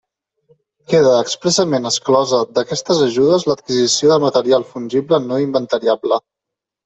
Queda expressament exclosa d'aquestes ajudes l'adquisició de material fungible no inventariable.